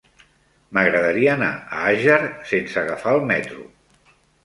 M'agradaria anar a Àger sense agafar el metro.